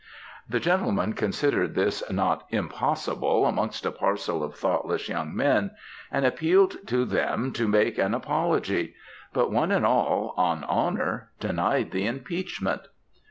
"The gentleman considered this not impossible amongst a parcel of thoughtless young men, and appealed to them to make an apology; but one and all, on honour, denied the impeachment.